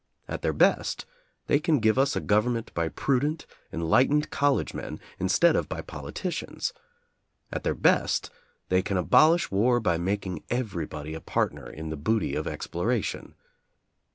At their best they can give us a government by prudent, enlightened college men instead of by politicians. At their best, they can abolish war by making everybody a partner in the booty of exploitation.